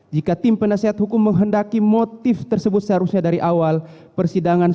jika tim penasehat hukum menghendaki motif tersebut seharusnya dari awal persidangan tersebut tidak akan berjalan